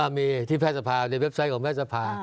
มีที่แพทย์สภาในเว็บไซต์ของแพทย์สภา